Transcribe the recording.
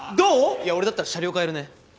いや俺だったら車両変えるね。